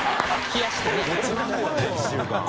冷やしてね。